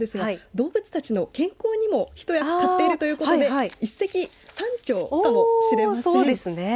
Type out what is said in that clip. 動物たちの健康にも一役買っているということで一石三鳥かもしれません。